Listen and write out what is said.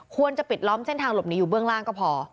ปิดล้อมเส้นทางหลบหนีอยู่เบื้องล่างก็พอ